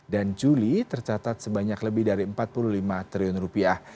dan juli tercatat sebanyak lebih dari empat puluh lima triliun rupiah